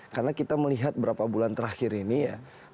karena kita melihat berapa bulan terakhir ini ya